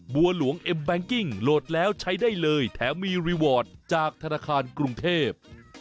บัวหลวงเอ็มแบงกิ้งโหลดแล้วใช้ได้เลยแถมมีรีวอร์ดจากธนาคารกรุงเทพ